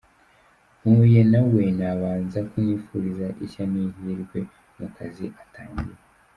Mpuye nawe nabanza kumwifuriza ishya n’ihirwe mu kazi atangiye .